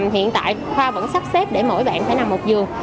hiện tại khoa vẫn sắp xếp để mỗi bạn phải nằm một giường